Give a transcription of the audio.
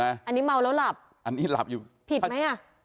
อันนี้เมาแล้วหลับอันนี้หลับอยู่ผิดไหมอ่ะ